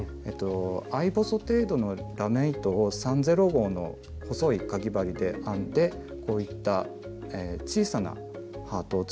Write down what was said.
合細程度のラメ糸を３／０号の細いかぎ針で編んでこういった小さなハートを作って。